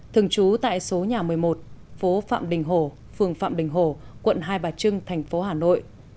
thường trú tại số nhà một mươi một phố phạm đình hồ phường phạm đình hồ quận hai bà trưng thành phố hà nội